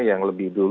yang lebih duplik